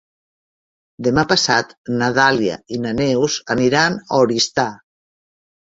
Demà passat na Dàlia i na Neus aniran a Oristà.